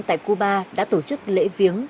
tại cuba đã tổ chức lễ viếng